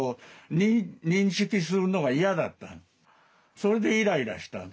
それでイライラした。